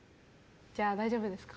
じゃあ大丈夫ですか？